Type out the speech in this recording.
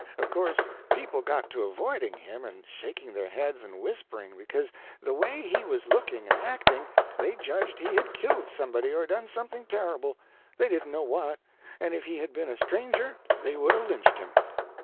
Of course, people got to avoiding him and shaking their heads and whispering, because, the way he was looking and acting, they judged he had killed somebody or done something terrible, they didn't know what, and if he had been a stranger they would've lynched him.